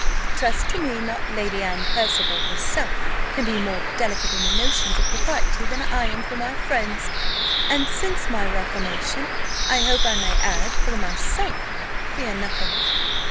Trust to me: not Lady Anne Percival herself can be more delicate in her notions of propriety than I am for my friends, and, since my reformation, I hope I may add, for myself. Fear nothing."